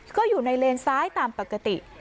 ก็อยู่ในเลนซ้ายตามปกติ